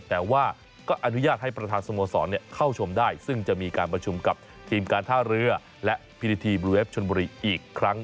แต่ว่าก็อนุญาตให้ประธานสโมสรเข้าชมได้ซึ่งจะมีการประชุมกับทีมการท่าเรือและพิธีทีบลูเวฟชนบุรีอีกครั้ง